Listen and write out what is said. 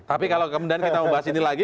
tapi kalau kemudian kita membahas ini lagi